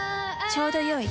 ちょうどよい。